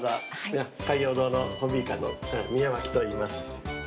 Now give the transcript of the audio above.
海洋堂のホビー館の宮脇といいます。